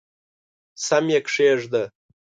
سم یې کښېږده !